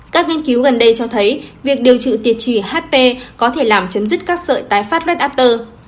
các nghiên cứu gần đây cho thấy việc điều trị tiệt trì hp có thể làm chấm dứt các sợi tái phát